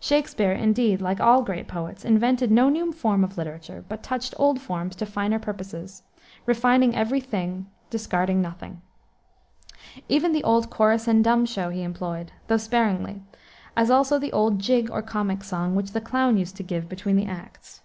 Shakspere, indeed, like all great poets, invented no new form of literature, but touched old forms to finer purposes, refining every thing, discarding nothing. Even the old chorus and dumb show he employed, though sparingly, as also the old jig, or comic song, which the clown used to give between the acts.